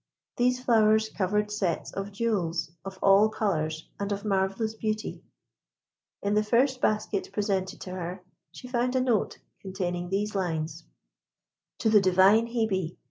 These flowers covered sets of jewels of all colours and of marvellous beauty. In the first basket presented to her, she found a note containing these lines: TO THE DIVINE HEBE.